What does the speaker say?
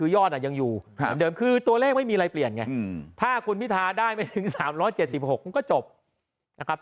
ยอดยังอยู่เหมือนเดิมคือตัวเลขไม่มีอะไรเปลี่ยนไงถ้าคุณพิทาได้ไม่ถึง๓๗๖มันก็จบนะครับ